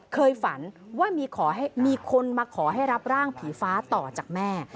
เคยฝันว่ามีคนมาขอให้รับร่างผีฟ้าต่อจากแม่